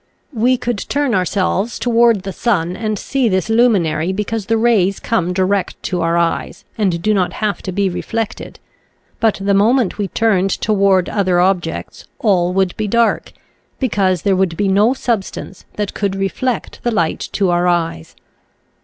We could turn ourselves toward the sun and see this luminary because the rays come direct to our eyes and do not have to be reflected, but the moment we turned toward other ob jects all would be dark, because there would be no substance that could reflect the light to our eyes.